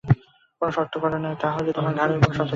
কোন শর্ত কর না, তা হলেই তোমার ঘাড়েও কোন শর্ত চাপবে না।